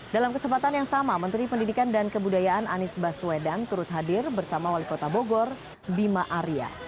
dalam kesempatan yang sama menteri pendidikan dan kebudayaan anies baswedan turut hadir bersama wali kota bogor bima arya